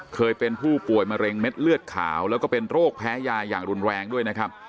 เคยเป็นผู้ป่วยมะเร็งเม็ดเลือดขาวแล้วก็เป็นโรคแพ้ยาอย่างรุนแรงด้วยนะครับ